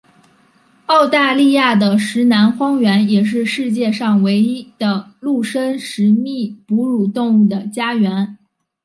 澳大利亚的石楠荒原也是世界上唯一的陆生食蜜哺乳动物的家园。